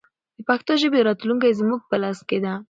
د پښتو ژبې راتلونکی زموږ په لاس کې دی.